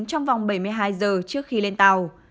trong vòng bảy mươi hai giờ trước khi lên tàu